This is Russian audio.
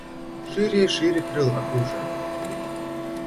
Шире и шире крыл окружие.